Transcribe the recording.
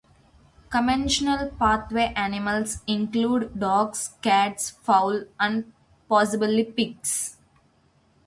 Commensal pathway animals include dogs, cats, fowl, and possibly pigs.